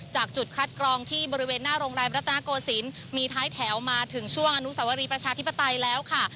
จุดคัดกรองที่บริเวณหน้าโรงแรมรัฐนาโกศิลป์มีท้ายแถวมาถึงช่วงอนุสวรีประชาธิปไตยแล้วค่ะ